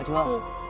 dạ mai ạ